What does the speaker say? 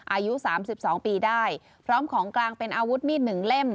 อายุสามสิบสองปีได้พร้อมของกลางเป็นอาวุธมีดหนึ่งเล่ม